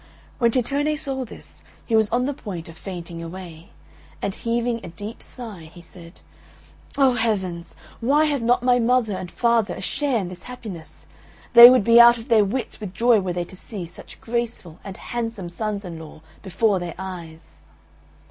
When Tittone saw this, he was on the point of fainting away; and heaving a deep sigh, he said, "O Heavens! why have not my mother and father a share in this happiness? They would be out of their wits with joy were they to see such graceful and handsome sons in law before their eyes."